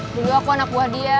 juga aku anak buah dia